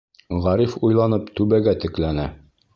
Ғариф уйланып түбәгә текләне: